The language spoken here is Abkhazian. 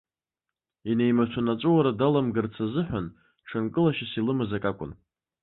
Инеимаҭәаны аҵәыуара даламгарц азыҳәан, ҽынкылашьас илымаз акы акәын.